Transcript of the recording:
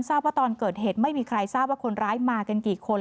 ทราบว่าตอนเกิดเหตุไม่มีใครทราบว่าคนร้ายมากันกี่คน